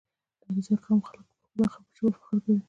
• د علیزي قوم خلک پر خپله ژبه فخر کوي.